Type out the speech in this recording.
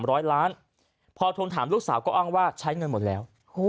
เพราะฉะนั้นพอโทนถามลูกสาวก็อ้องว่าใช้เงินหมดแล้ว